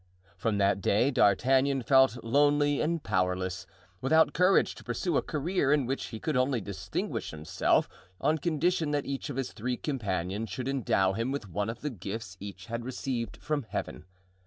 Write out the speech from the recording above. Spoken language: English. From that day D'Artagnan felt lonely and powerless, without courage to pursue a career in which he could only distinguish himself on condition that each of his three companions should endow him with one of the gifts each had received from Heaven.